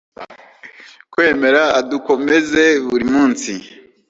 kwemera, adukomeze, buri munsi